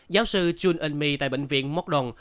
giáo sư jun in mi tại bệnh viện mokdong